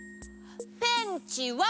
ペンチは。